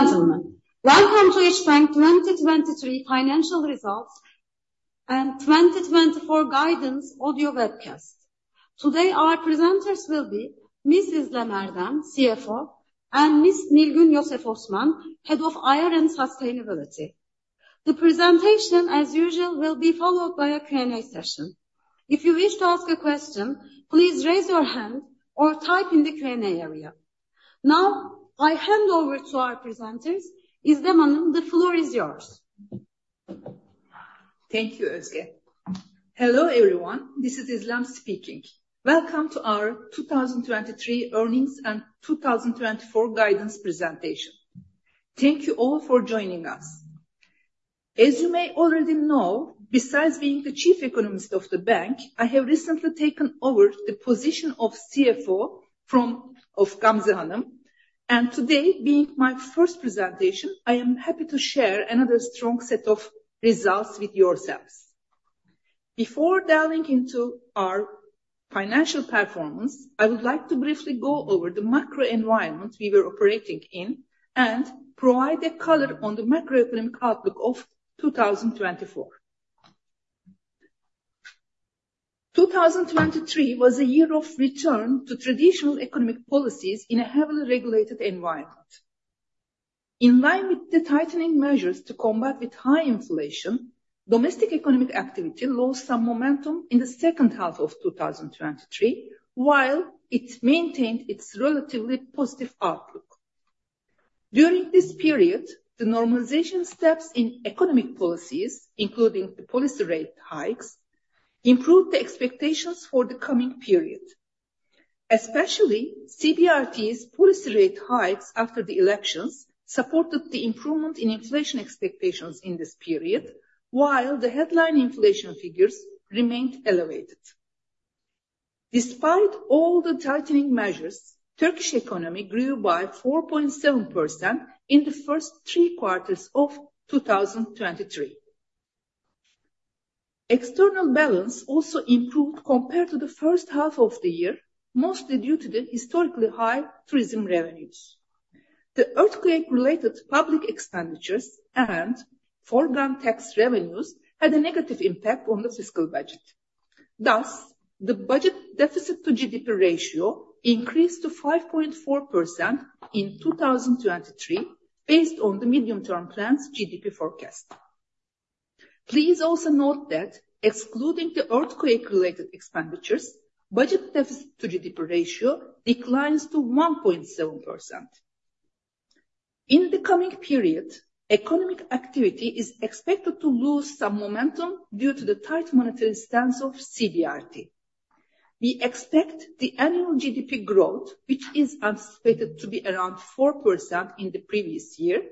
Ladies and gentlemen, welcome to İşbank 2023 financial results and 2024 guidance audio webcast. Today our presenters will be Ms. İzlem Erdem, CFO, and Ms. Nilgün Yosef Osman, Head of IR and Sustainability. The presentation, as usual, will be followed by a Q&A session. If you wish to ask a question, please raise your hand or type in the Q&A area. Now I hand over to our presenters. İzlem Erdem, the floor is yours. Thank you, Özge. Hello everyone, this is İzlem speaking. Welcome to our 2023 earnings and 2024 guidance presentation. Thank you all for joining us. As you may already know, besides being the Chief Economist of the bank, I have recently taken over the position of CFO from Gamze Yalçın, and today, being my first presentation, I am happy to share another strong set of results with yourselves. Before delving into our financial performance, I would like to briefly go over the macro environment we were operating in and provide a color on the macroeconomic outlook of 2024. 2023 was a year of return to traditional economic policies in a heavily regulated environment. In line with the tightening measures to combat high inflation, domestic economic activity lost some momentum in the second half of 2023 while it maintained its relatively positive outlook. During this period, the normalization steps in economic policies, including the policy rate hikes, improved the expectations for the coming period. Especially, CBRT's policy rate hikes after the elections supported the improvement in inflation expectations in this period while the headline inflation figures remained elevated. Despite all the tightening measures, the Turkish economy grew by 4.7% in the first three quarters of 2023. External balance also improved compared to the first half of the year, mostly due to the historically high tourism revenues. The earthquake-related public expenditures and foreign tax revenues had a negative impact on the fiscal budget. Thus, the budget deficit-to-GDP ratio increased to 5.4% in 2023 based on the medium-term plan's GDP forecast. Please also note that excluding the earthquake-related expenditures, the budget deficit-to-GDP ratio declines to 1.7%. In the coming period, economic activity is expected to lose some momentum due to the tight monetary stance of CBRT. We expect the annual GDP growth, which is anticipated to be around 4% in the previous year,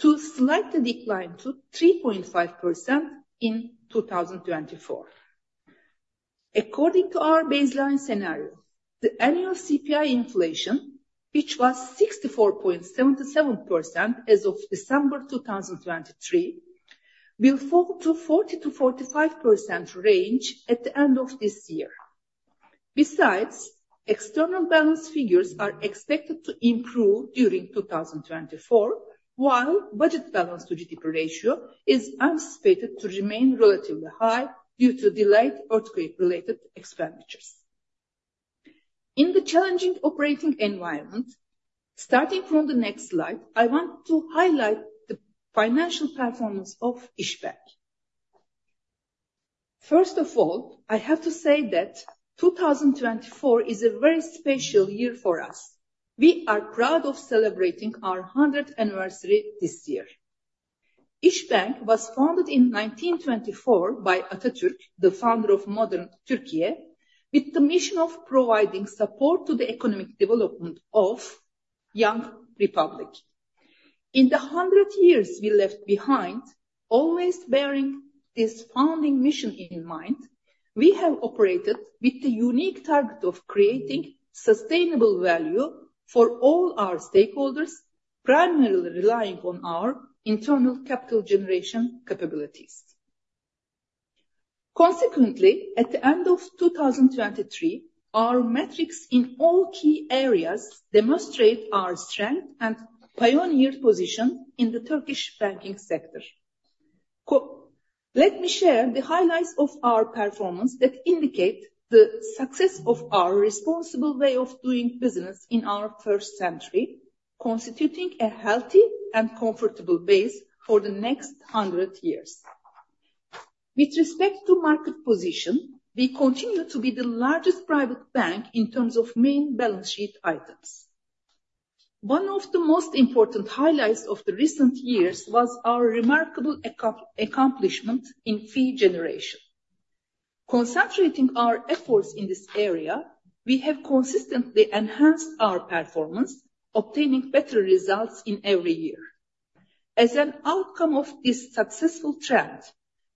to slightly decline to 3.5% in 2024. According to our baseline scenario, the annual CPI inflation, which was 64.77% as of December 2023, will fall to 40%-45% range at the end of this year. Besides, external balance figures are expected to improve during 2024 while the budget balance-to-GDP ratio is anticipated to remain relatively high due to delayed earthquake-related expenditures. In the challenging operating environment, starting from the next slide, I want to highlight the financial performance of İşbank. First of all, I have to say that 2024 is a very special year for us. We are proud of celebrating our 100th anniversary this year. İşbank was founded in 1924 by Atatürk, the founder of modern Türkiye, with the mission of providing support to the economic development of the young republic. In the 100 years we left behind, always bearing this founding mission in mind, we have operated with the unique target of creating sustainable value for all our stakeholders, primarily relying on our internal capital generation capabilities. Consequently, at the end of 2023, our metrics in all key areas demonstrate our strength and pioneered position in the Turkish banking sector. Let me share the highlights of our performance that indicate the success of our responsible way of doing business in our first century, constituting a healthy and comfortable base for the next 100 years. With respect to market position, we continue to be the largest private bank in terms of main balance sheet items. One of the most important highlights of the recent years was our remarkable accomplishment in fee generation. Concentrating our efforts in this area, we have consistently enhanced our performance, obtaining better results in every year. As an outcome of this successful trend,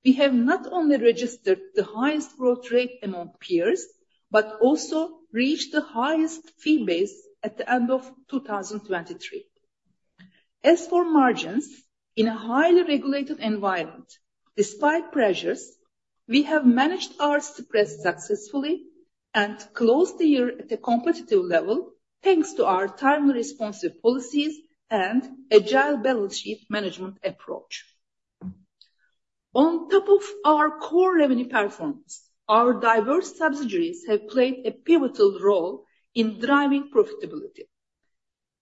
we have not only registered the highest growth rate among peers, but also reached the highest fee base at the end of 2023. As for margins, in a highly regulated environment, despite pressures, we have managed our stress successfully and closed the year at a competitive level thanks to our timely responsive policies and agile balance sheet management approach. On top of our core revenue performance, our diverse subsidiaries have played a pivotal role in driving profitability.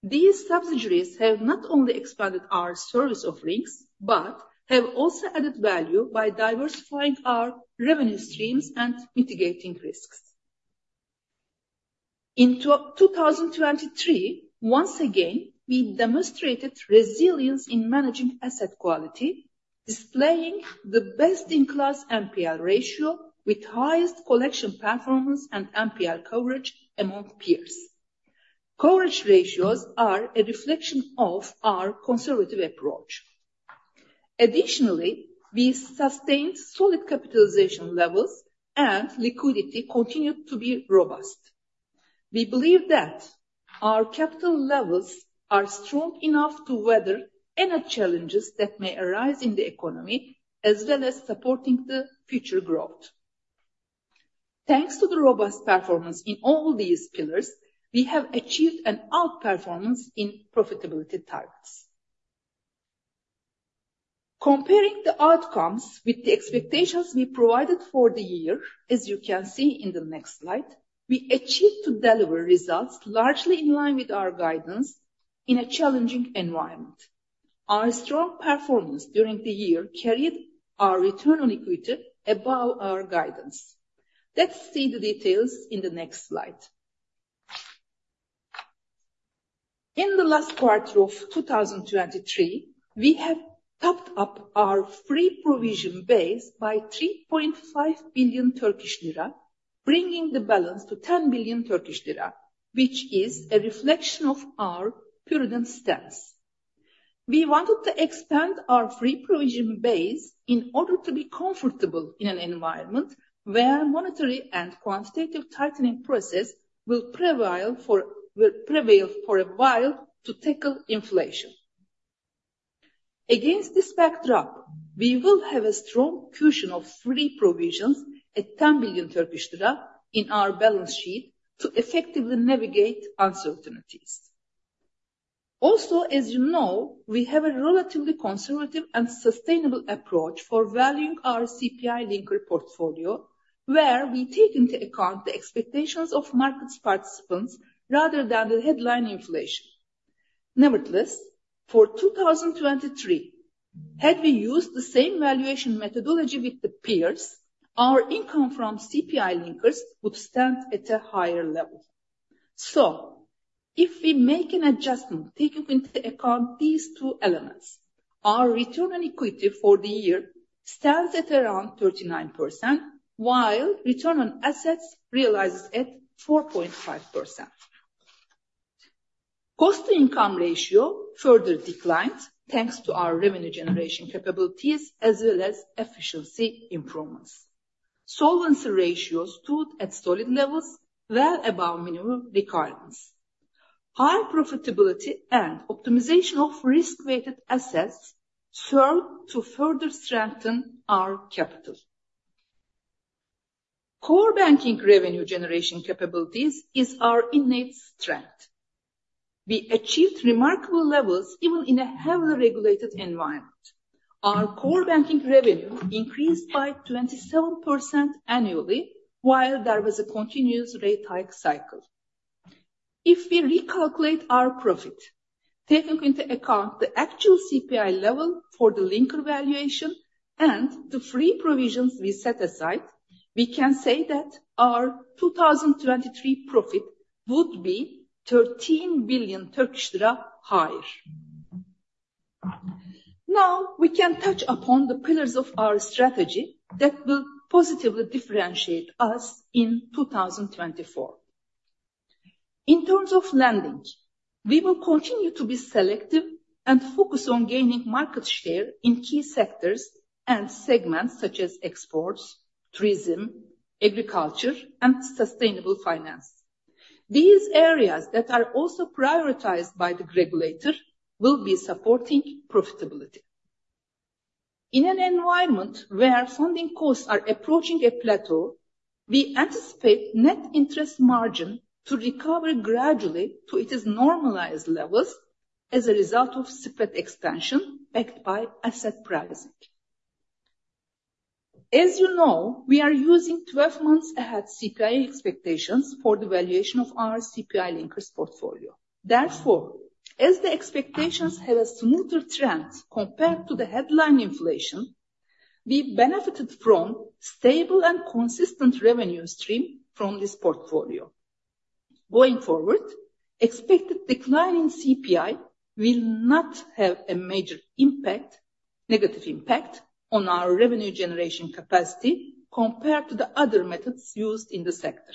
These subsidiaries have not only expanded our service offerings, but have also added value by diversifying our revenue streams and mitigating risks. In 2023, once again, we demonstrated resilience in managing asset quality, displaying the best-in-class NPL ratio with the highest collection performance and NPL coverage among peers. Coverage ratios are a reflection of our conservative approach. Additionally, we sustained solid capitalization levels and liquidity continued to be robust. We believe that our capital levels are strong enough to weather any challenges that may arise in the economy, as well as supporting the future growth. Thanks to the robust performance in all these pillars, we have achieved an outperformance in profitability targets. Comparing the outcomes with the expectations we provided for the year, as you can see in the next slide, we achieved to deliver results largely in line with our guidance in a challenging environment. Our strong performance during the year carried our return on equity above our guidance. Let's see the details in the next slide. In the last quarter of 2023, we have topped up our free provision base by 3.5 billion Turkish lira, bringing the balance to 10 billion Turkish lira, which is a reflection of our prudent stance. We wanted to expand our free provision base in order to be comfortable in an environment where monetary and quantitative tightening processes will prevail for a while to tackle inflation. Against this backdrop, we will have a strong cushion of free provisions at 10 billion Turkish lira in our balance sheet to effectively navigate uncertainties. Also, as you know, we have a relatively conservative and sustainable approach for valuing our CPI linker portfolio, where we take into account the expectations of market participants rather than the headline inflation. Nevertheless, for 2023, had we used the same valuation methodology with the peers, our income from CPI linkers would stand at a higher level. So if we make an adjustment taking into account these two elements, our return on equity for the year stands at around 39%, while return on assets realizes at 4.5%. Cost-to-income ratio further declined thanks to our revenue generation capabilities as well as efficiency improvements. Solvency ratios stood at solid levels, well above minimum requirements. High profitability and optimization of risk-weighted assets served to further strengthen our capital. Core banking revenue generation capabilities are our innate strength. We achieved remarkable levels even in a heavily regulated environment. Our core banking revenue increased by 27% annually while there was a continuous rate hike cycle. If we recalculate our profit, taking into account the actual CPI level for the linker valuation and the free provisions we set aside, we can say that our 2023 profit would be 13 billion Turkish lira higher. Now we can touch upon the pillars of our strategy that will positively differentiate us in 2024. In terms of lending, we will continue to be selective and focus on gaining market share in key sectors and segments such as exports, tourism, agriculture, and sustainable finance. These areas that are also prioritized by the regulator will be supporting profitability. In an environment where funding costs are approaching a plateau, we anticipate net interest margins to recover gradually to their normalized levels as a result of spread extension backed by asset pricing. As you know, we are using 12 months ahead CPI expectations for the valuation of our CPI linkers portfolio. Therefore, as the expectations have a smoother trend compared to the headline inflation, we benefited from a stable and consistent revenue stream from this portfolio. Going forward, expected declining CPI will not have a major negative impact on our revenue generation capacity compared to the other methods used in the sector.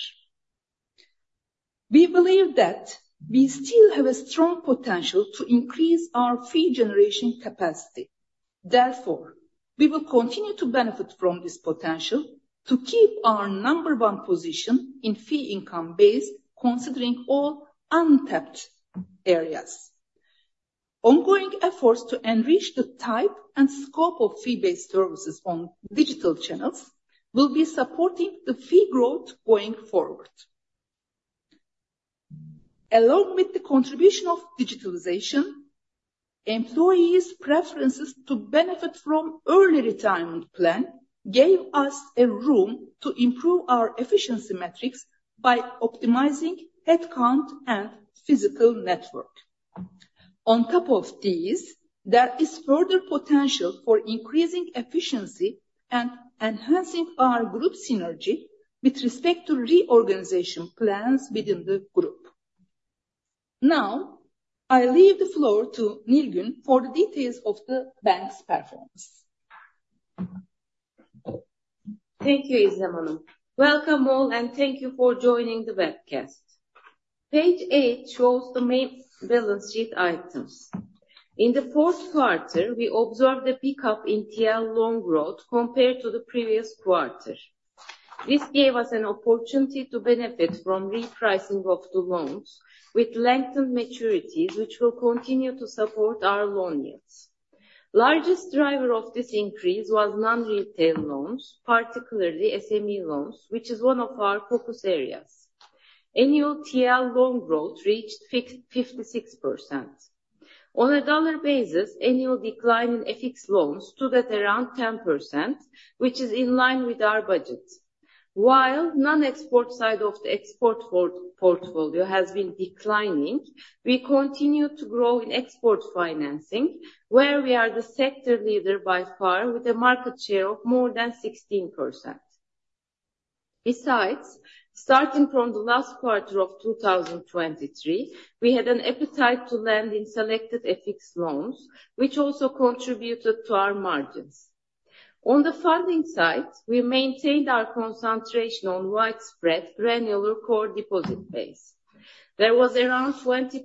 We believe that we still have a strong potential to increase our fee generation capacity. Therefore, we will continue to benefit from this potential to keep our number one position in fee income-based, considering all untapped areas. Ongoing efforts to enrich the type and scope of fee-based services on digital channels will be supporting the fee growth going forward. Along with the contribution of digitalization, employees' preferences to benefit from an early retirement plan gave us a room to improve our efficiency metrics by optimizing headcount and physical network. On top of these, there is further potential for increasing efficiency and enhancing our group synergy with respect to reorganization plans within the group. Now I leave the floor to Nilgün for the details of the bank's performance. Thank you, İzlem Erdem. Welcome all, and thank you for joining the webcast. Page 8 shows the main balance sheet items. In the fourth quarter, we observed a pickup in TL loan growth compared to the previous quarter. This gave us an opportunity to benefit from repricing of the loans with lengthened maturities, which will continue to support our loan yields. The largest driver of this increase was non-retail loans, particularly SME loans, which is one of our focus areas. Annual TL loan growth reached 56%. On a dollar basis, annual decline in FX loans stood at around 10%, which is in line with our budget. While the non-export side of the export portfolio has been declining, we continue to grow in export financing, where we are the sector leader by far with a market share of more than 16%. Besides, starting from the last quarter of 2023, we had an appetite to lend in selected FX loans, which also contributed to our margins. On the funding side, we maintained our concentration on widespread granular core deposit base. There was around 23%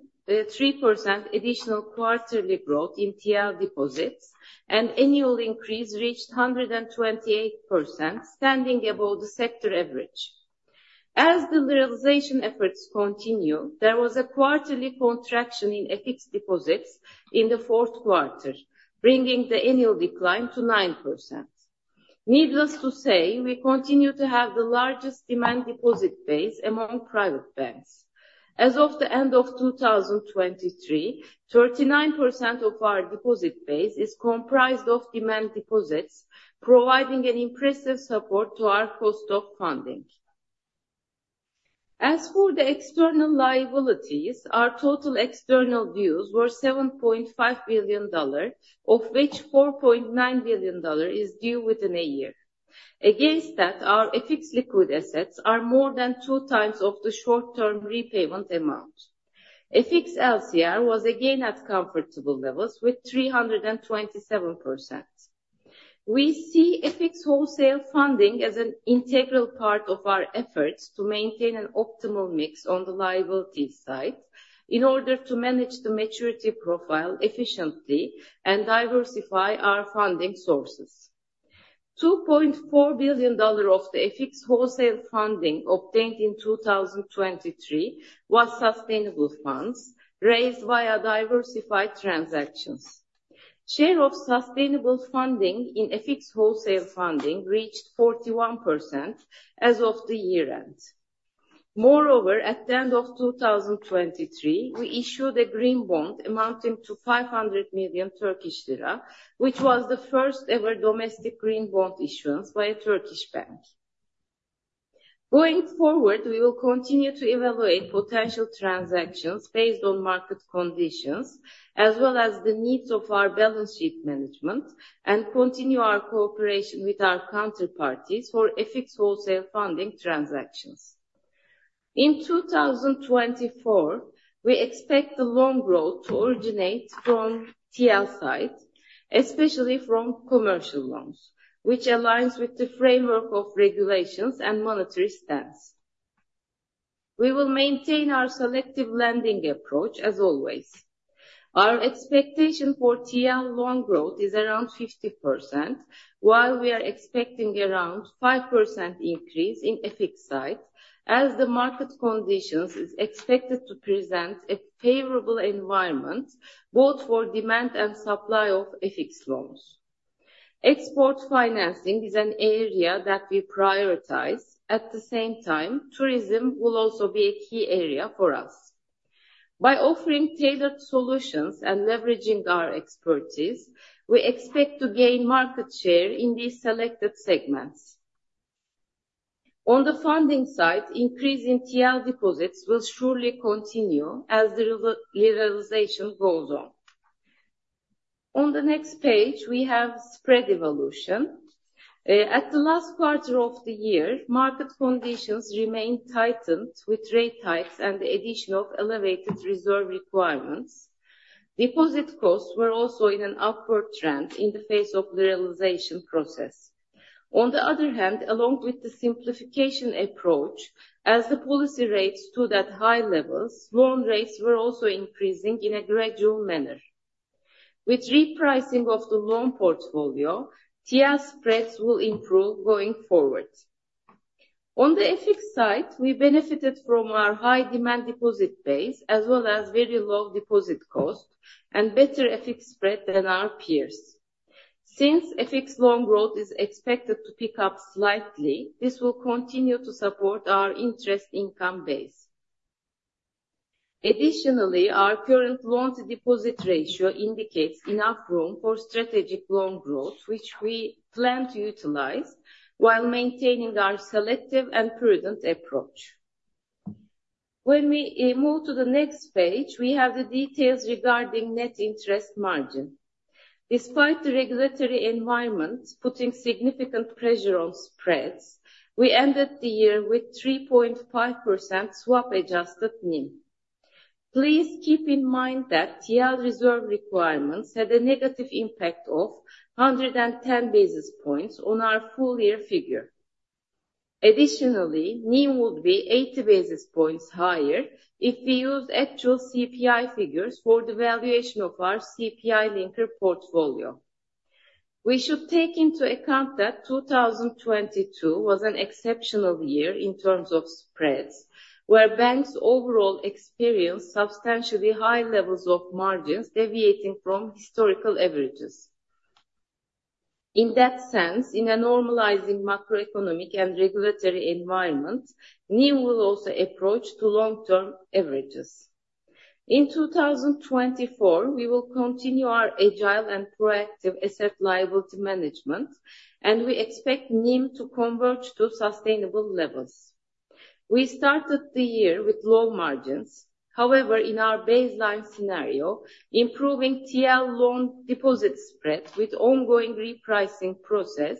additional quarterly growth in TL deposits, and annual increase reached 128%, standing above the sector average. As the realization efforts continue, there was a quarterly contraction in FX deposits in the fourth quarter, bringing the annual decline to 9%. Needless to say, we continue to have the largest demand deposit base among private banks. As of the end of 2023, 39% of our deposit base is comprised of demand deposits, providing an impressive support to our cost of funding. As for the external liabilities, our total external dues were $7.5 billion, of which $4.9 billion is due within a year. Against that, our FX liquid assets are more than two times the short-term repayment amount. FX LCR was again at comfortable levels with 327%. We see FX wholesale funding as an integral part of our efforts to maintain an optimal mix on the liability side in order to manage the maturity profile efficiently and diversify our funding sources. $2.4 billion of the FX wholesale funding obtained in 2023 was sustainable funds raised via diversified transactions. The share of sustainable funding in FX wholesale funding reached 41% as of the year-end. Moreover, at the end of 2023, we issued a green bond amounting to 500 million Turkish lira, which was the first-ever domestic green bond issuance by a Turkish bank. Going forward, we will continue to evaluate potential transactions based on market conditions, as well as the needs of our balance sheet management, and continue our cooperation with our counterparties for FX wholesale funding transactions. In 2024, we expect the loan growth to originate from the TL side, especially from commercial loans, which aligns with the framework of regulations and monetary stance. We will maintain our selective lending approach, as always. Our expectation for TL loan growth is around 50%, while we are expecting around a 5% increase in the FX side as the market conditions are expected to present a favorable environment both for demand and supply of FX loans. Export financing is an area that we prioritize. At the same time, tourism will also be a key area for us. By offering tailored solutions and leveraging our expertise, we expect to gain market share in these selected segments. On the funding side, an increase in TL deposits will surely continue as the realization goes on. On the next page, we have spread evolution. At the last quarter of the year, market conditions remained tightened with rate hikes and the addition of elevated reserve requirements. Deposit costs were also in an upward trend in the face of the realization process. On the other hand, along with the simplification approach, as the policy rates stood at high levels, loan rates were also increasing in a gradual manner. With repricing of the loan portfolio, TL spreads will improve going forward. On the FX side, we benefited from our high demand deposit base as well as very low deposit costs and better FX spread than our peers. Since FX loan growth is expected to pick up slightly, this will continue to support our interest income base. Additionally, our current loan-to-deposit ratio indicates enough room for strategic loan growth, which we plan to utilize while maintaining our selective and prudent approach. When we move to the next page, we have the details regarding net interest margin. Despite the regulatory environment putting significant pressure on spreads, we ended the year with 3.5% swap-adjusted NIM. Please keep in mind that TL reserve requirements had a negative impact of 110 basis points on our full-year figure. Additionally, NIM would be 80 basis points higher if we use actual CPI figures for the valuation of our CPI Linker portfolio. We should take into account that 2022 was an exceptional year in terms of spreads, where banks overall experienced substantially high levels of margins deviating from historical averages. In that sense, in a normalizing macroeconomic and regulatory environment, NIM will also approach long-term averages. In 2024, we will continue our agile and proactive asset liability management, and we expect NIM to converge to sustainable levels. We started the year with low margins. However, in our baseline scenario, improving TL loan deposit spreads with an ongoing repricing process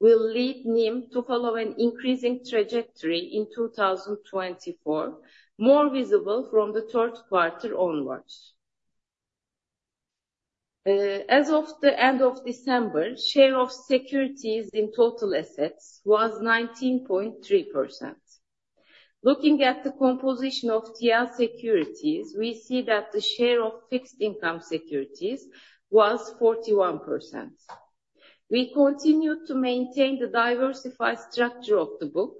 will lead NIM to follow an increasing trajectory in 2024, more visible from the third quarter onwards. As of the end of December, the share of securities in total assets was 19.3%. Looking at the composition of TL securities, we see that the share of fixed income securities was 41%. We continue to maintain the diversified structure of the book,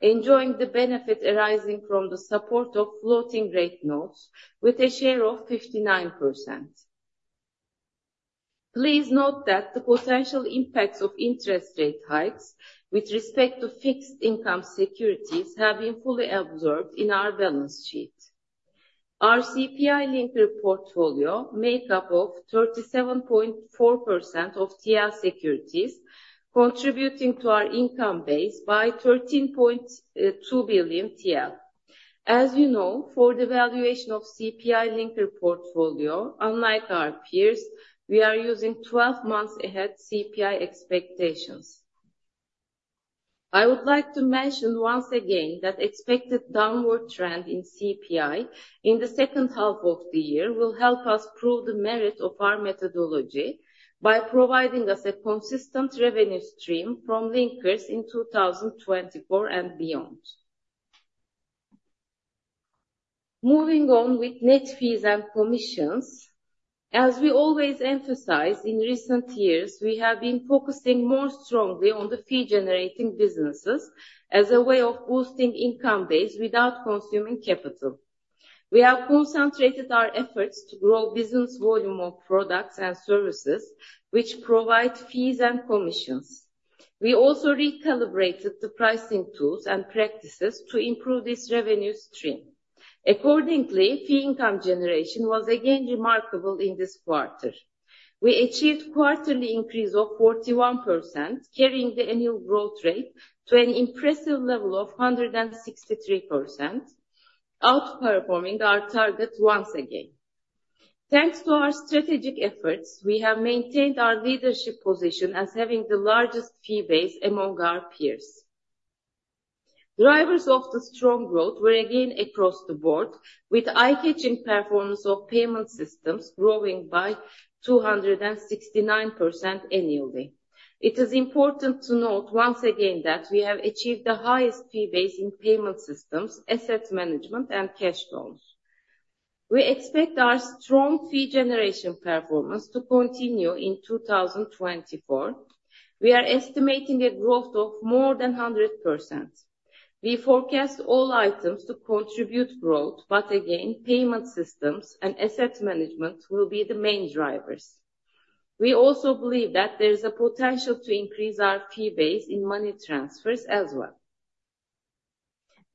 enjoying the benefit arising from the support of floating-rate notes with a share of 59%. Please note that the potential impacts of interest rate hikes with respect to fixed income securities have been fully absorbed in our balance sheet. Our CPI Linker portfolio makes up 37.4% of TL securities, contributing to our income base by 13.2 billion TL. As you know, for the valuation of the CPI Linker portfolio, unlike our peers, we are using 12 months ahead CPI expectations. I would like to mention once again that the expected downward trend in CPI in the second half of the year will help us prove the merit of our methodology by providing us a consistent revenue stream from linkers in 2024 and beyond. Moving on with net fees and commissions, as we always emphasize, in recent years, we have been focusing more strongly on the fee-generating businesses as a way of boosting income base without consuming capital. We have concentrated our efforts to grow the business volume of products and services, which provide fees and commissions. We also recalibrated the pricing tools and practices to improve this revenue stream. Accordingly, fee income generation was again remarkable in this quarter. We achieved a quarterly increase of 41%, carrying the annual growth rate to an impressive level of 163%, outperforming our target once again. Thanks to our strategic efforts, we have maintained our leadership position as having the largest fee base among our peers. Drivers of the strong growth were again across the board, with the eye-catching performance of payment systems growing by 269% annually. It is important to note once again that we have achieved the highest fee base in payment systems, asset management, and cash loans. We expect our strong fee generation performance to continue in 2024. We are estimating a growth of more than 100%. We forecast all items to contribute to growth, but again, payment systems and asset management will be the main drivers. We also believe that there is a potential to increase our fee base in money transfers as well.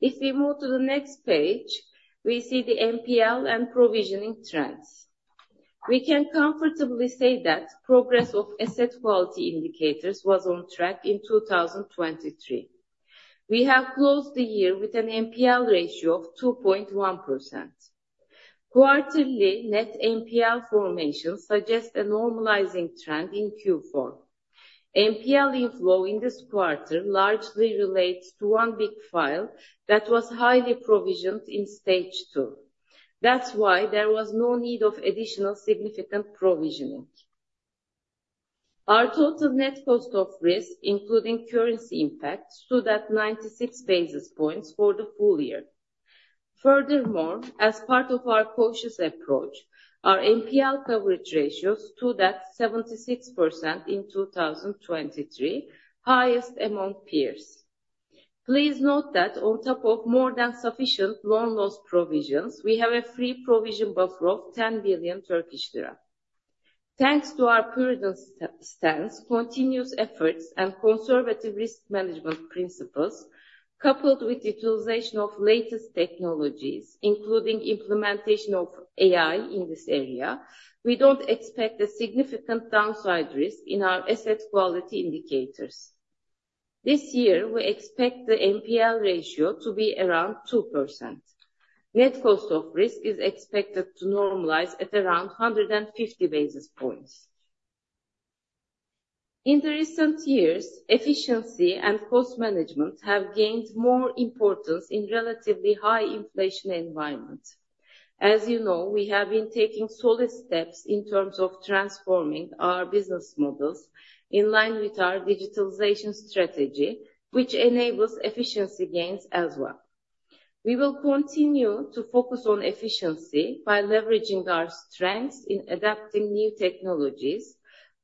If we move to the next page, we see the NPL and provisioning trends. We can comfortably say that the progress of asset quality indicators was on track in 2023. We have closed the year with an NPL ratio of 2.1%. Quarterly net NPL formation suggests a normalizing trend in Q4. NPL inflow in this quarter largely relates to one big file that was highly provisioned in stage two. That's why there was no need for additional significant provisioning. Our total net cost of risk, including currency impact, stood at 96 basis points for the full year. Furthermore, as part of our cautious approach, our NPL coverage ratios stood at 76% in 2023, the highest among peers. Please note that on top of more than sufficient loan loss provisions, we have a free provision buffer of 10 billion Turkish lira. Thanks to our prudent stance, continuous efforts, and conservative risk management principles, coupled with the utilization of the latest technologies, including the implementation of AI in this area, we don't expect a significant downside risk in our asset quality indicators. This year, we expect the NPL ratio to be around 2%. The net cost of risk is expected to normalize at around 150 basis points. In the recent years, efficiency and cost management have gained more importance in a relatively high-inflation environment. As you know, we have been taking solid steps in terms of transforming our business models in line with our digitalization strategy, which enables efficiency gains as well. We will continue to focus on efficiency by leveraging our strengths in adapting new technologies,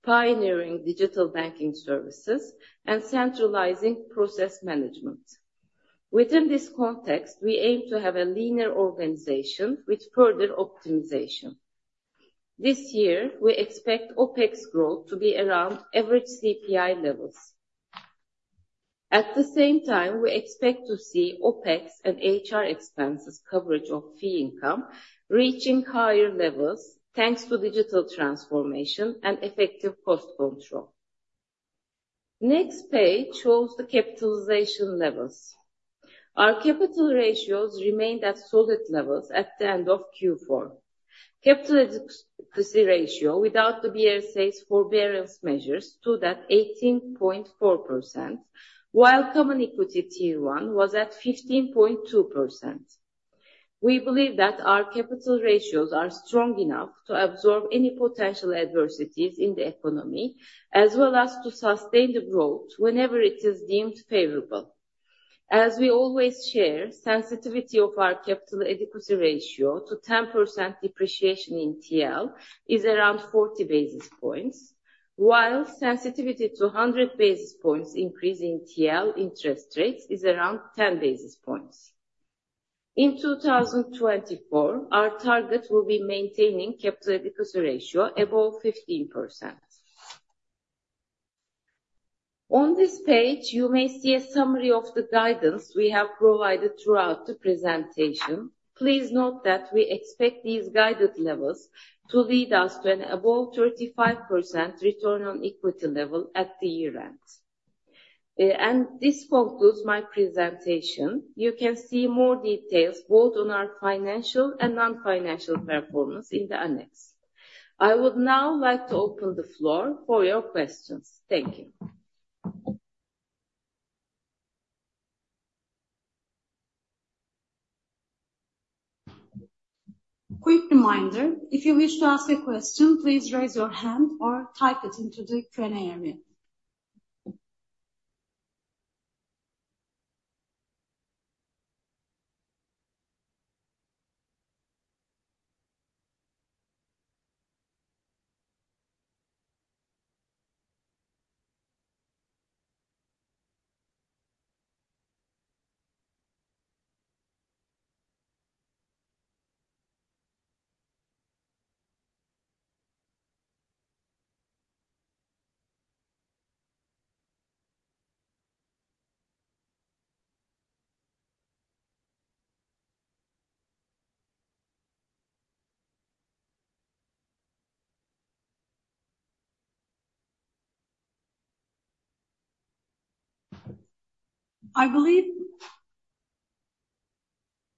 pioneering digital banking services, and centralizing process management. Within this context, we aim to have a leaner organization with further optimization. This year, we expect OPEX growth to be around average CPI levels. At the same time, we expect to see OPEX and HR expenses coverage of fee income reaching higher levels thanks to digital transformation and effective cost control. The next page shows the capitalization levels. Our capital ratios remained at solid levels at the end of Q4. The capital equity ratio without the BRSA forbearance measures stood at 18.4%, while common equity tier one was at 15.2%. We believe that our capital ratios are strong enough to absorb any potential adversities in the economy as well as to sustain the growth whenever it is deemed favorable. As we always share, the sensitivity of our capital equity ratio to 10% depreciation in TL is around 40 basis points, while the sensitivity to 100 basis points increase in TL interest rates is around 10 basis points. In 2024, our target will be maintaining the capital equity ratio above 15%. On this page, you may see a summary of the guidance we have provided throughout the presentation. Please note that we expect these guided levels to lead us to an above 35% return on equity level at the year-end. This concludes my presentation. You can see more details both on our financial and non-financial performance in the annex. I would now like to open the floor for your questions. Thank you. Quick reminder, if you wish to ask a question, please raise your hand or type it into the Q&A area.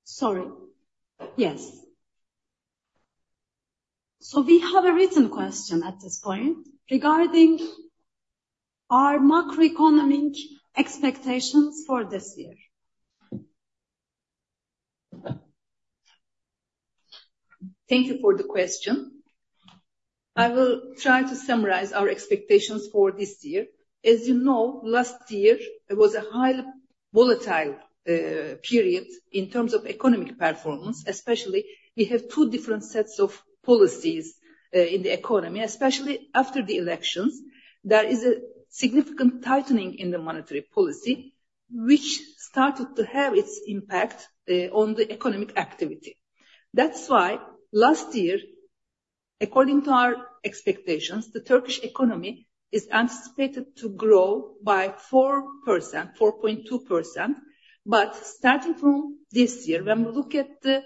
Sorry. Yes. So we have a written question at this point regarding our macroeconomic expectations for this year. Thank you for the question. I will try to summarize our expectations for this year. As you know, last year, it was a highly volatile period in terms of economic performance, especially, we have two different sets of policies in the economy, especially after the elections. There is a significant tightening in the monetary policy, which started to have its impact on the economic activity. That's why last year, according to our expectations, the Turkish economy is anticipated to grow by 4%-4.2%. But starting from this year, when we look at the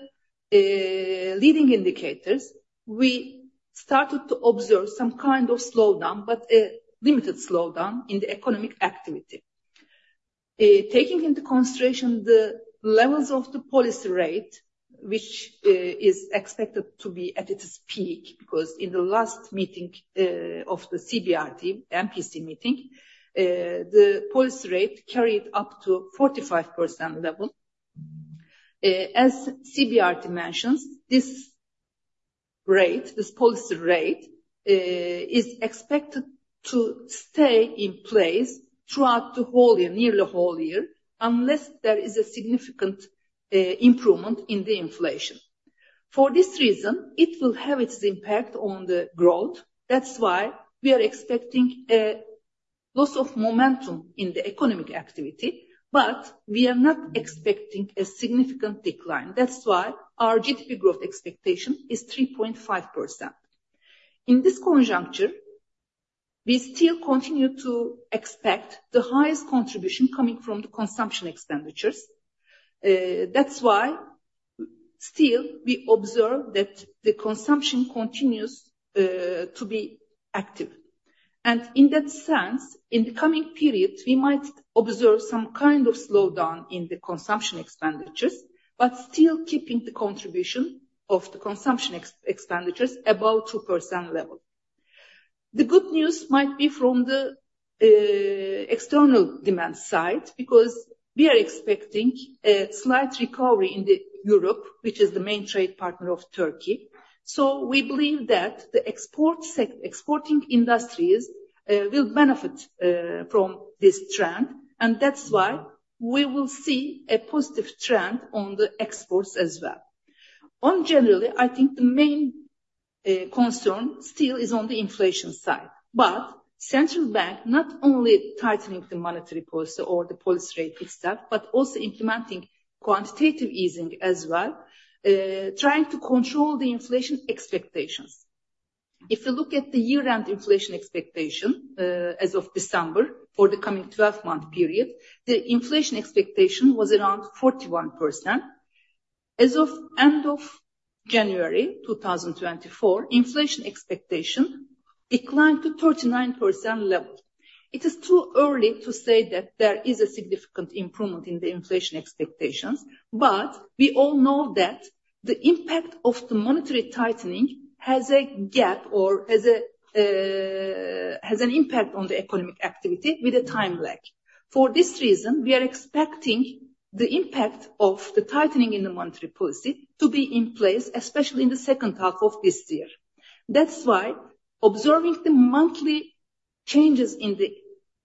leading indicators, we started to observe some kind of slowdown, but a limited slowdown in the economic activity. Taking into consideration the levels of the policy rate, which is expected to be at its peak because in the last meeting of the CBRT, the MPC meeting, the policy rate carried up to 45% level. As CBRT mentions, this rate, this policy rate, is expected to stay in place throughout the whole year, nearly the whole year, unless there is a significant improvement in the inflation. For this reason, it will have its impact on the growth. That's why we are expecting a loss of momentum in the economic activity, but we are not expecting a significant decline. That's why our GDP growth expectation is 3.5%. In this conjuncture, we still continue to expect the highest contribution coming from the consumption expenditures. That's why still we observe that the consumption continues to be active. In that sense, in the coming period, we might observe some kind of slowdown in the consumption expenditures, but still keeping the contribution of the consumption expenditures above 2% level. The good news might be from the external demand side because we are expecting a slight recovery in Europe, which is the main trade partner of Turkey. We believe that the exporting industries will benefit from this trend, and that's why we will see a positive trend on the exports as well. Generally, I think the main concern still is on the inflation side, but the central bank not only tightening the monetary policy or the policy rate itself, but also implementing quantitative easing as well, trying to control the inflation expectations. If you look at the year-end inflation expectation as of December for the coming 12-month period, the inflation expectation was around 41%. As of the end of January 2024, inflation expectation declined to 39% level. It is too early to say that there is a significant improvement in the inflation expectations, but we all know that the impact of the monetary tightening has a gap or has an impact on the economic activity with a time lag. For this reason, we are expecting the impact of the tightening in the monetary policy to be in place, especially in the second half of this year. That's why observing the monthly changes in the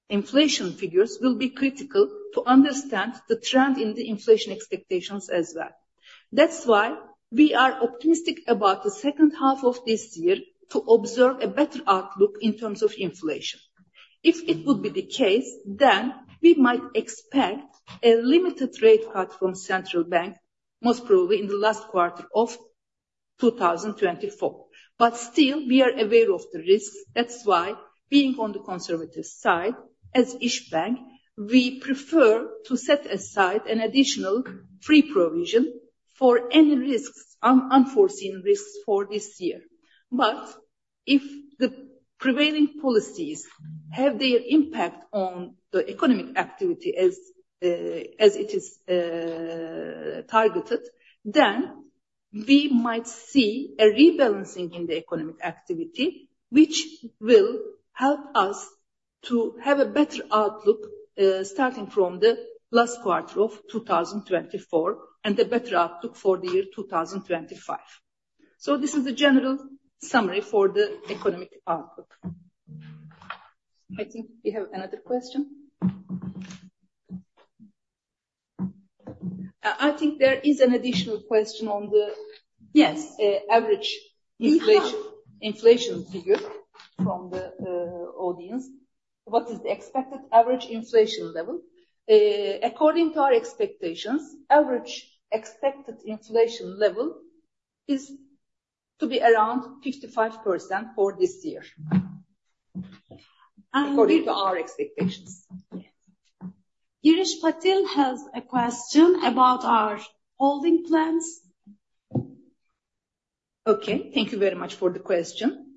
inflation figures will be critical to understand the trend in the inflation expectations as well. That's why we are optimistic about the second half of this year to observe a better outlook in terms of inflation. If it would be the case, then we might expect a limited rate cut from the central bank, most probably in the last quarter of 2024. But still, we are aware of the risks. That's why, being on the conservative side as İşbank, we prefer to set aside an additional free provision for any unforeseen risks for this year. But if the prevailing policies have their impact on the economic activity as it is targeted, then we might see a rebalancing in the economic activity, which will help us to have a better outlook starting from the last quarter of 2024 and a better outlook for the year 2025. So this is the general summary for the economic outlook. I think we have another question. I think there is an additional question on the average inflation figure from the audience. What is the expected average inflation level? According to our expectations, the average expected inflation level is to be around 55% for this year. According to our expectations. Girish Patil has a question about our holding plans. Okay. Thank you very much for the question.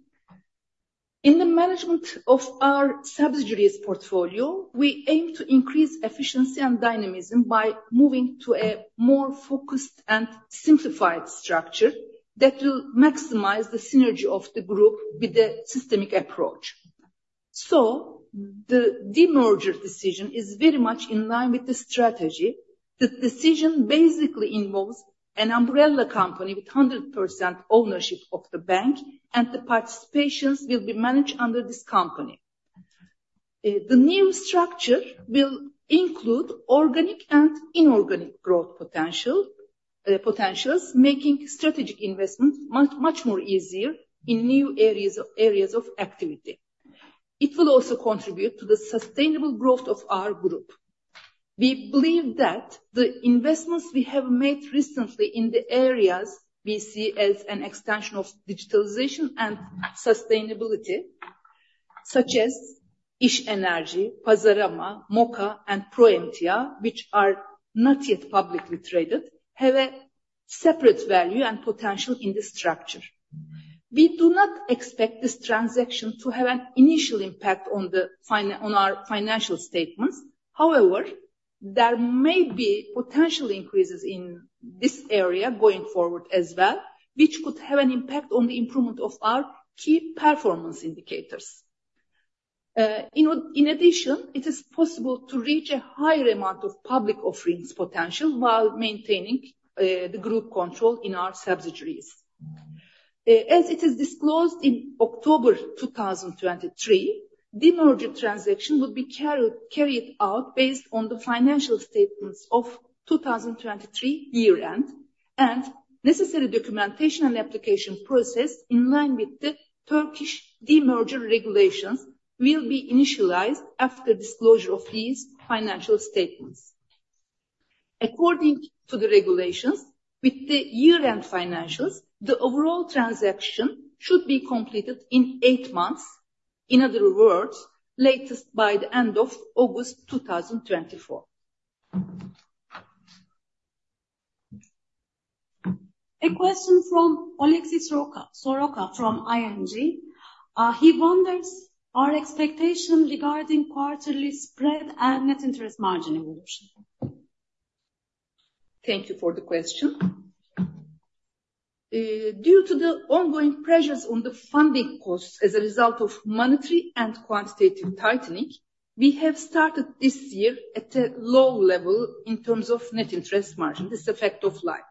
In the management of our subsidiaries portfolio, we aim to increase efficiency and dynamism by moving to a more focused and simplified structure that will maximize the synergy of the group with the systemic approach. So the demerger decision is very much in line with the strategy. The decision basically involves an umbrella company with 100% ownership of the bank, and the participations will be managed under this company. The new structure will include organic and inorganic growth potentials, making strategic investments much more easier in new areas of activity. It will also contribute to the sustainable growth of our group. We believe that the investments we have made recently in the areas we see as an extension of digitalization and sustainability, such as İş Enerji, Pazarama, Moka, and Proemtia, which are not yet publicly traded, have a separate value and potential in the structure. We do not expect this transaction to have an initial impact on our financial statements. However, there may be potential increases in this area going forward as well, which could have an impact on the improvement of our key performance indicators. In addition, it is possible to reach a higher amount of public offerings potential while maintaining the group control in our subsidiaries. As it is disclosed in October 2023, the merger transaction would be carried out based on the financial statements of 2023 year-end, and necessary documentation and application process in line with the Turkish demerger regulations will be initialized after disclosure of these financial statements. According to the regulations, with the year-end financials, the overall transaction should be completed in 8 months, in other words, latest by the end of August 2024. A question from Oleksii Soroka from ING. He wonders our expectation regarding quarterly spread and net interest margin evolution. Thank you for the question. Due to the ongoing pressures on the funding costs as a result of monetary and quantitative tightening, we have started this year at a low level in terms of net interest margin, this effect of life.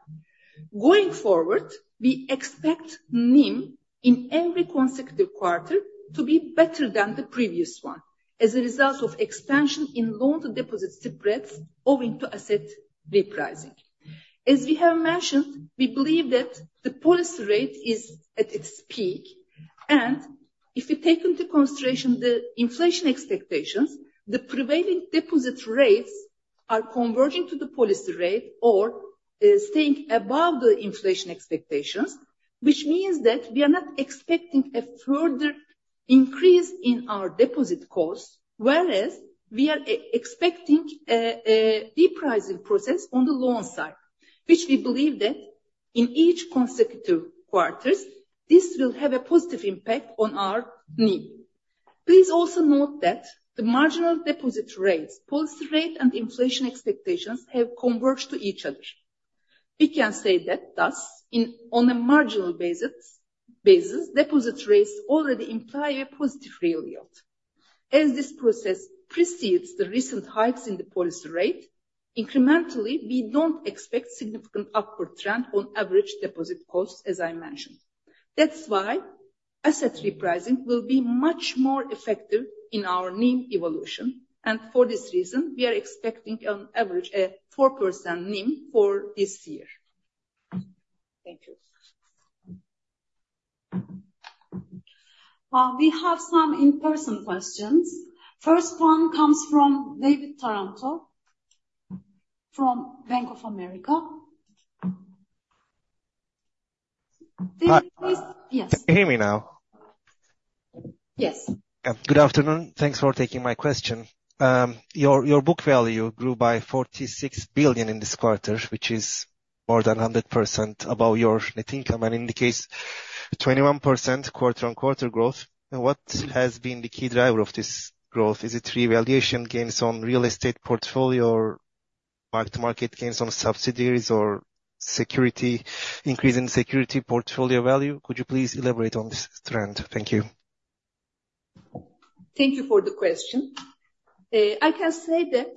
Going forward, we expect NIM in every consecutive quarter to be better than the previous one as a result of expansion in loan deposit spreads owing to asset repricing. As we have mentioned, we believe that the policy rate is at its peak, and if we take into consideration the inflation expectations, the prevailing deposit rates are converging to the policy rate or staying above the inflation expectations, which means that we are not expecting a further increase in our deposit costs, whereas we are expecting a repricing process on the loan side, which we believe that in each consecutive quarter, this will have a positive impact on our NIM. Please also note that the marginal deposit rates, policy rate, and inflation expectations have converged to each other. We can say that thus, on a marginal basis, deposit rates already imply a positive real yield. As this process precedes the recent hikes in the policy rate, incrementally, we don't expect significant upward trend on average deposit costs, as I mentioned. That's why asset repricing will be much more effective in our NIM evolution, and for this reason, we are expecting, on average, a 4% NIM for this year. Thank you. We have some in-person questions. First one comes from David Taranto from Bank of America. Yes. Hear me now. Yes. Good afternoon. Thanks for taking my question. Your book value grew by 46 billion in this quarter, which is more than 100% above your net income and indicates 21% quarter-on-quarter growth. What has been the key driver of this growth? Is it revaluation gains on real estate portfolio or mark-to-market gains on subsidiaries or increase in security portfolio value? Could you please elaborate on this trend? Thank you. Thank you for the question. I can say that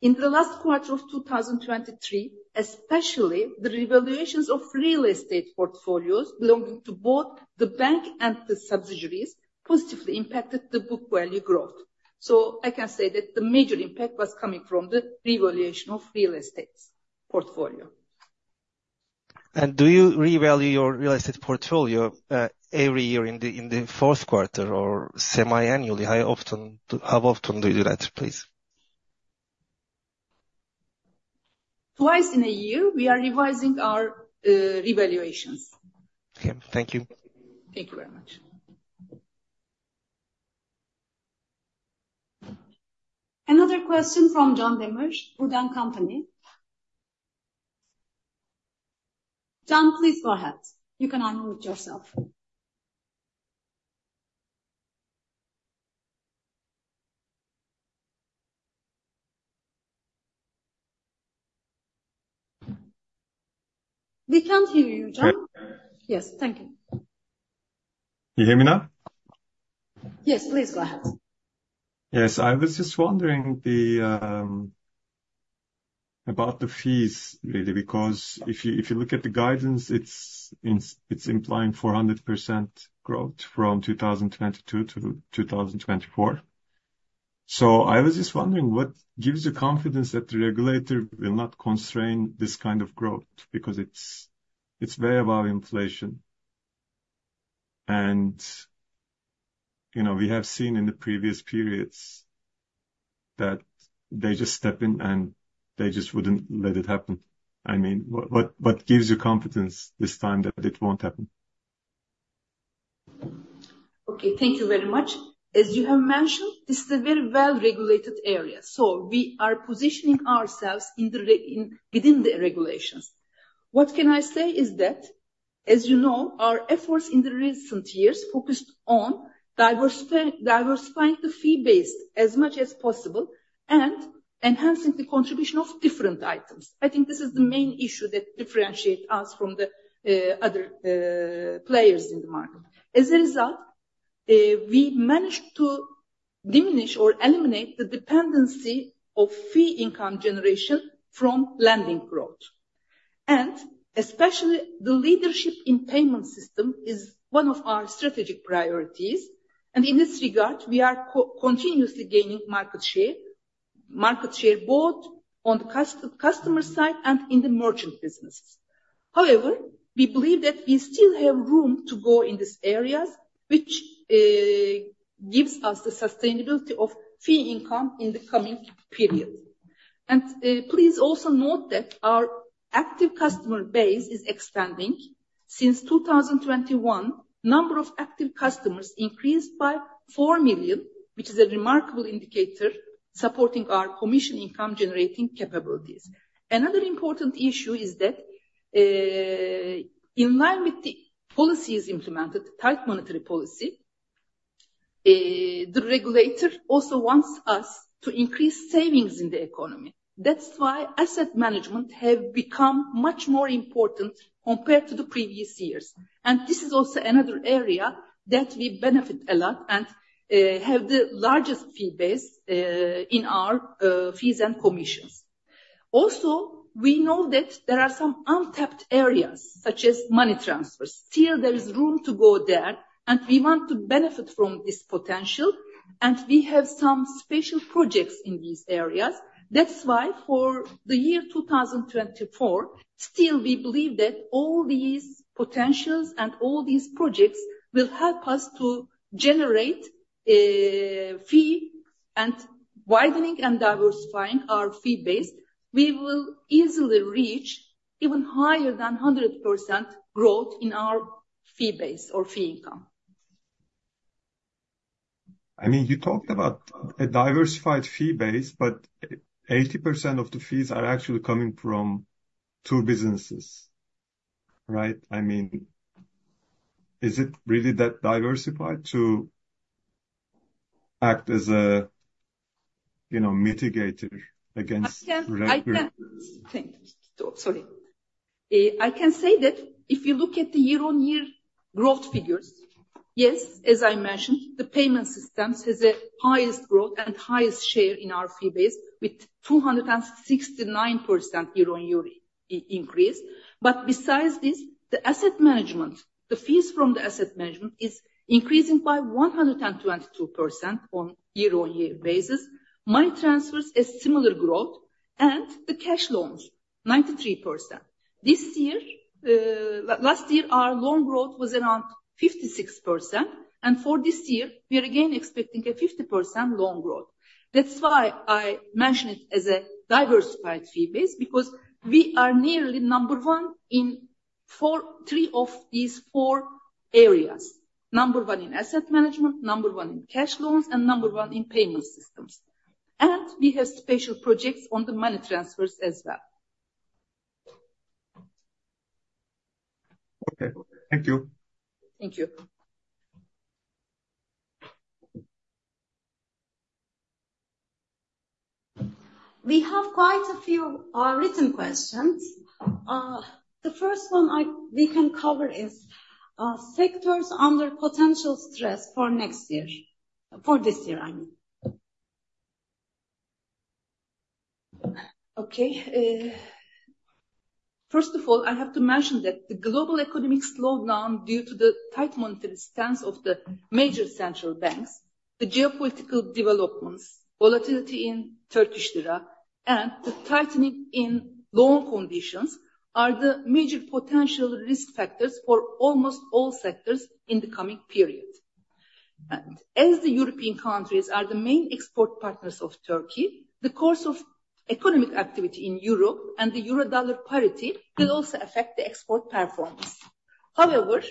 in the last quarter of 2023, especially the revaluations of real estate portfolios belonging to both the bank and the subsidiaries positively impacted the book value growth. I can say that the major impact was coming from the revaluation of real estate portfolio. Do you revalue your real estate portfolio every year in the fourth quarter or semi-annually? How often do you do that, please? Twice in a year, we are revising our revaluations. Okay. Thank you. Thank you very much. Another question from Can Demir, Wood & Company. Can, please go ahead. You can unmute yourself. We can't hear you, Can. Yes. Thank you. You hear me now? Yes. Please go ahead. Yes. I was just wondering about the fees, really, because if you look at the guidance, it's implying 400% growth from 2022 to 2024. So I was just wondering, what gives you confidence that the regulator will not constrain this kind of growth because it's way above inflation? And we have seen in the previous periods that they just step in and they just wouldn't let it happen. I mean, what gives you confidence this time that it won't happen? Okay. Thank you very much. As you have mentioned, this is a very well-regulated area. So we are positioning ourselves within the regulations. What can I say is that, as you know, our efforts in the recent years focused on diversifying the fee base as much as possible and enhancing the contribution of different items. I think this is the main issue that differentiates us from the other players in the market. As a result, we managed to diminish or eliminate the dependency of fee income generation from lending growth. And especially the leadership in payment system is one of our strategic priorities. And in this regard, we are continuously gaining market share, both on the customer side and in the merchant businesses. However, we believe that we still have room to go in these areas, which gives us the sustainability of fee income in the coming period. Please also note that our active customer base is expanding. Since 2021, the number of active customers increased by 4 million, which is a remarkable indicator supporting our commission income generating capabilities. Another important issue is that in line with the policies implemented, the tight monetary policy, the regulator also wants us to increase savings in the economy. That's why asset management has become much more important compared to the previous years. This is also another area that we benefit a lot and have the largest fee base in our fees and commissions. Also, we know that there are some untapped areas, such as money transfers. Still, there is room to go there, and we want to benefit from this potential. We have some special projects in these areas. That's why for the year 2024, still, we believe that all these potentials and all these projects will help us to generate fee and widening and diversifying our fee base. We will easily reach even higher than 100% growth in our fee base or fee income. I mean, you talked about a diversified fee base, but 80% of the fees are actually coming from two businesses, right? I mean, is it really that diversified to act as a mitigator against regulator? I can think. Sorry. I can say that if you look at the year-on-year growth figures, yes, as I mentioned, the payment systems have the highest growth and highest share in our fee base with 269% year-on-year increase. But besides this, the asset management, the fees from the asset management is increasing by 122% on year-on-year basis, money transfers a similar growth, and the cash loans, 93%. Last year, our loan growth was around 56%. And for this year, we are again expecting a 50% loan growth. That's why I mentioned it as a diversified fee base because we are nearly number one in three of these four areas, number one in asset management, number one in cash loans, and number one in payment systems. And we have special projects on the money transfers as well. Okay. Thank you. Thank you. We have quite a few written questions. The first one we can cover is sectors under potential stress for next year, for this year. Okay. First of all, I have to mention that the global economic slowdown due to the tight monetary stance of the major central banks, the geopolitical developments, volatility in Turkish Lira, and the tightening in loan conditions are the major potential risk factors for almost all sectors in the coming period. As the European countries are the main export partners of Turkey, the course of economic activity in Europe and the euro-dollar parity will also affect the export performance. However,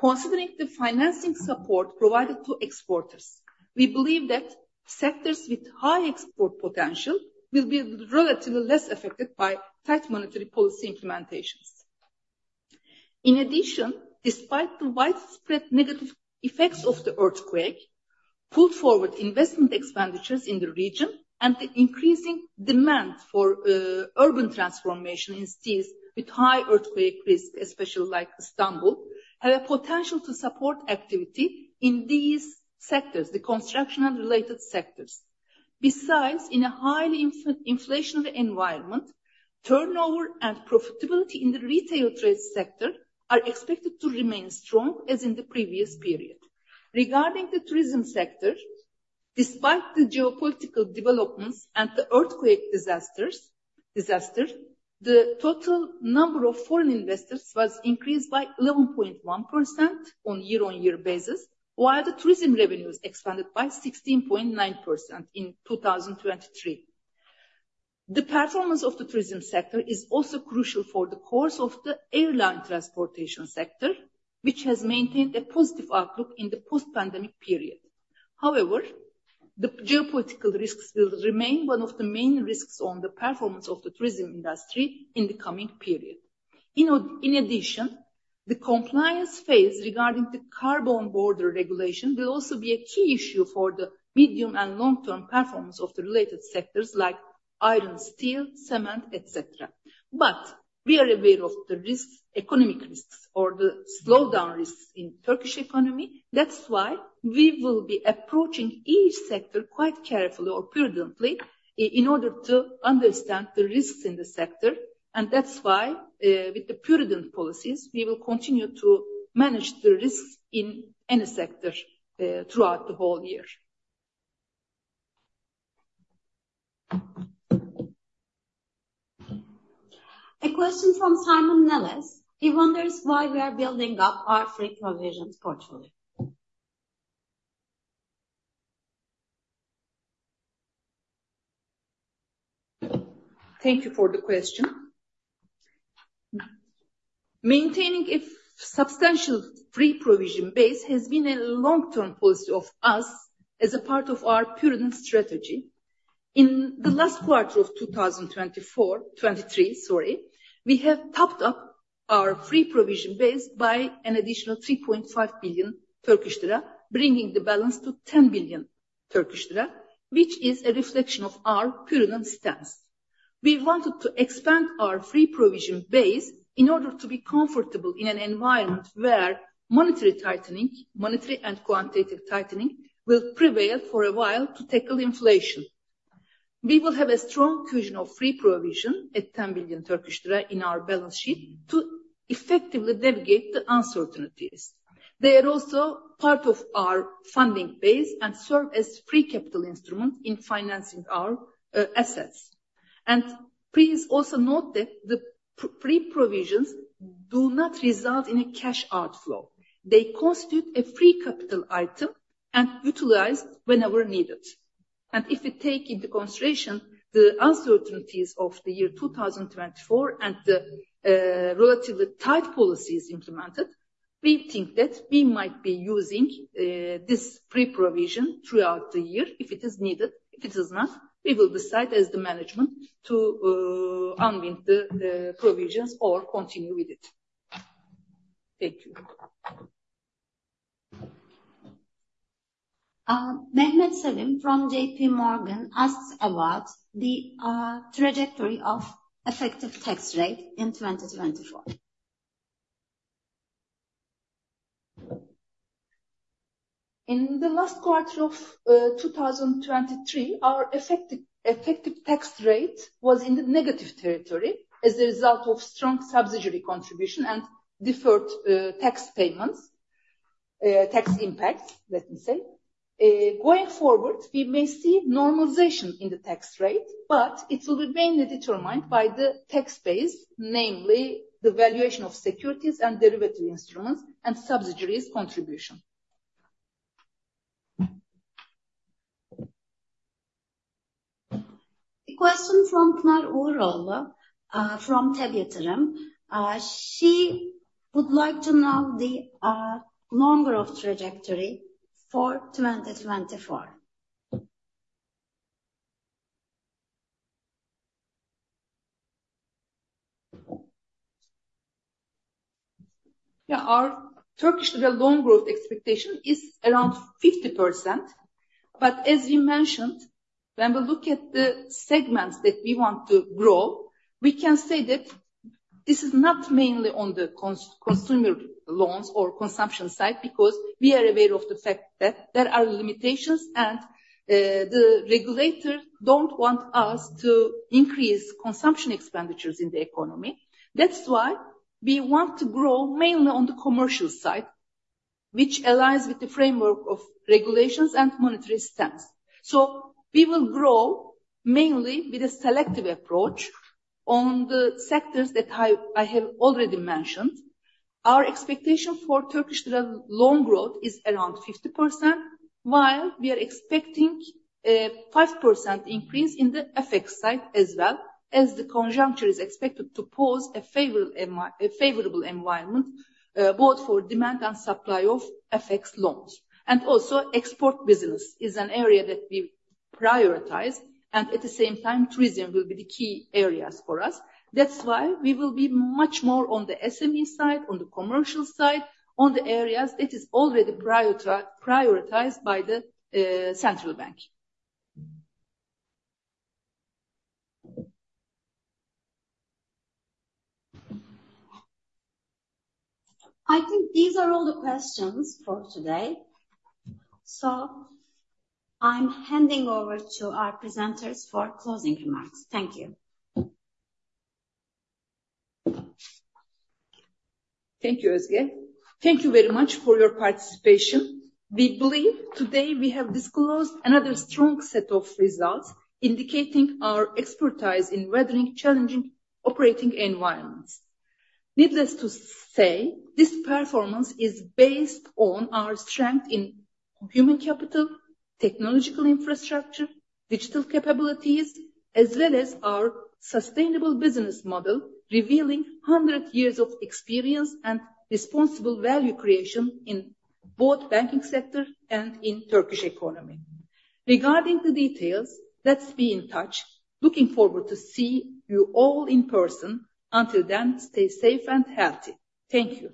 considering the financing support provided to exporters, we believe that sectors with high export potential will be relatively less affected by tight monetary policy implementations. In addition, despite the widespread negative effects of the earthquake, pulled-forward investment expenditures in the region and the increasing demand for urban transformation in cities with high earthquake risk, especially like Istanbul, have a potential to support activity in these sectors, the construction and related sectors. Besides, in a highly inflationary environment, turnover and profitability in the retail trade sector are expected to remain strong as in the previous period. Regarding the tourism sector, despite the geopolitical developments and the earthquake disaster, the total number of foreign investors was increased by 11.1% on year-on-year basis, while the tourism revenues expanded by 16.9% in 2023. The performance of the tourism sector is also crucial for the course of the airline transportation sector, which has maintained a positive outlook in the post-pandemic period. However, the geopolitical risks will remain one of the main risks on the performance of the tourism industry in the coming period. In addition, the compliance phase regarding the carbon border regulation will also be a key issue for the medium and long-term performance of the related sectors like iron, steel, cement, etc. We are aware of the economic risks or the slowdown risks in the Turkish economy. That's why we will be approaching each sector quite carefully or prudently in order to understand the risks in the sector. That's why, with the prudent policies, we will continue to manage the risks in any sector throughout the whole year. A question from Simon Nellis. He wonders why we are building up our free provisions portfolio. Thank you for the question. Maintaining a substantial free provision base has been a long-term policy of us as a part of our prudent strategy. In the last quarter of 2023, sorry, we have topped up our free provision base by an additional 3.5 billion Turkish lira, bringing the balance to 10 billion Turkish lira, which is a reflection of our prudent stance. We wanted to expand our free provision base in order to be comfortable in an environment where monetary tightening, monetary and quantitative tightening, will prevail for a while to tackle inflation. We will have a strong fusion of free provision at 10 billion Turkish lira in our balance sheet to effectively navigate the uncertainties. They are also part of our funding base and serve as free capital instruments in financing our assets. Please also note that the free provisions do not result in a cash outflow. They constitute a free capital item and utilize whenever needed. And if we take into consideration the uncertainties of the year 2024 and the relatively tight policies implemented, we think that we might be using this free provision throughout the year if it is needed. If it is not, we will decide as the management to unwind the provisions or continue with it. Thank you. Mehmet Sevim from JP Morgan asks about the trajectory of effective tax rate in 2024. In the last quarter of 2023, our effective tax rate was in the negative territory as a result of strong subsidiary contribution and deferred tax payments, tax impacts, let me say. Going forward, we may see normalization in the tax rate, but it will be mainly determined by the tax base, namely the valuation of securities and derivative instruments and subsidiaries contribution. A question from Pınar Uğuroğlu from TEB Yatırım. She would like to know the longer-term trajectory for 2024. Yeah, our Turkish lira loan growth expectation is around 50%. But as you mentioned, when we look at the segments that we want to grow, we can say that this is not mainly on the consumer loans or consumption side because we are aware of the fact that there are limitations and the regulator don't want us to increase consumption expenditures in the economy. That's why we want to grow mainly on the commercial side, which aligns with the framework of regulations and monetary stance. So we will grow mainly with a selective approach on the sectors that I have already mentioned. Our expectation for Turkish lira loan growth is around 50%, while we are expecting a 5% increase in the FX side as well, as the conjuncture is expected to pose a favorable environment both for demand and supply of FX loans. And also, export business is an area that we prioritize, and at the same time, tourism will be the key areas for us. That's why we will be much more on the SME side, on the commercial side, on the areas that are already prioritized by the central bank. I think these are all the questions for today. So I'm handing over to our presenters for closing remarks. Thank you. Thank you, Özge. Thank you very much for your participation. We believe today we have disclosed another strong set of results indicating our expertise in weathering challenging operating environments. Needless to say, this performance is based on our strength in human capital, technological infrastructure, digital capabilities, as well as our sustainable business model revealing 100 years of experience and responsible value creation in both banking sector and in Turkish economy. Regarding the details, let's be in touch. Looking forward to seeing you all in person. Until then, stay safe and healthy. Thank you.